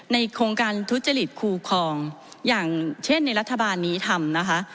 โครงการทุจริตคูคลองอย่างเช่นในรัฐบาลนี้ทำนะคะ